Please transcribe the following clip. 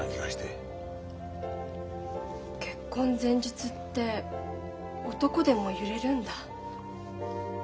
結婚前日って男でも揺れるんだ。